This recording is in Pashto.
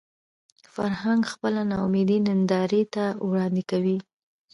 فرهنګ خپله ناامیدي نندارې ته وړاندې کوي